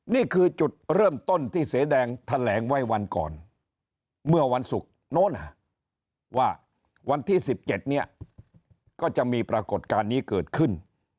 นี่คือจุดเริ่มต้นที่เสียแดงแถลงไว้วันก่อนเมื่อวันศุกร์โน้นว่าวันที่๑๗เนี่ยก็จะมีปรากฏการณ์นี้เกิดขึ้น